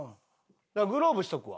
だからグローブしとくわ。